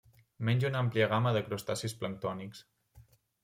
Menja una àmplia gamma de crustacis planctònics.